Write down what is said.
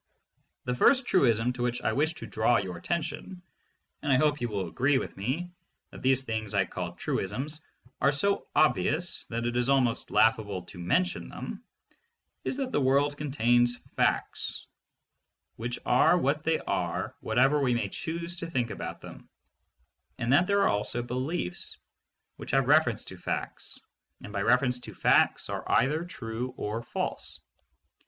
The first truism to which I wish to draw your attention — and I hope you will agree with me that these things that I call truisms are so obvious that it is almost laugh able to mention them — is that the world contains facts, which are what they are whatever we may choose to think about them, and that there are also beliefs, which have ref erence to facts, and by reference to facts are either true or false.